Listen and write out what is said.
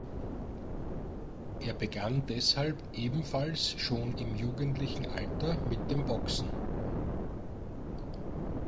Er begann deshalb ebenfalls schon im jugendlichen Alter mit dem Boxen.